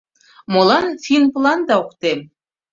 — Молан финпланда ок тем?